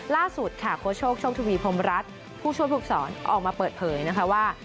ล่าสุดค่ะโค้ชโชคโชคทวีพรมรัฐผู้ช่วยผู้ฝึกศรออกมาเปิดเผยนะคะว่า